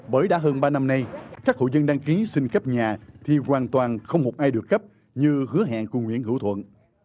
bởi đã hơn ba năm nay các hộ dân đăng ký xin cấp nhà thì hoàn toàn không một ai được cấp như hứa hẹn của nguyễn hữu thuận